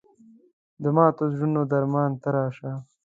د ماتو زړونو درمان ته راشه